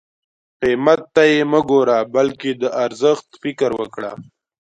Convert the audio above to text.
قیمت ته یې مه ګوره بلکې د ارزښت فکر وکړه.